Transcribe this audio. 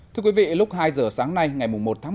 thưa quý vị lúc hai giờ sáng nay ngày một